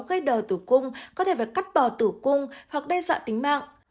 gây đờ tử cung có thể phải cắt bỏ tử cung hoặc đe dọa tính mạng